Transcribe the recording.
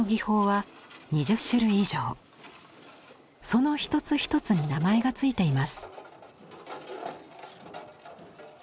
その一つ一つに名前が付いています。